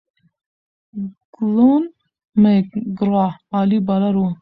ګلن میک ګرا عالي بالر وو.